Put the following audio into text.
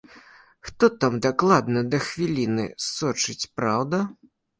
Хто там дакладна да хвіліны сочыць, праўда?